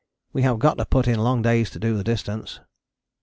We have got to put in long days to do the distance.